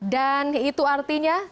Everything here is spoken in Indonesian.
dan itu artinya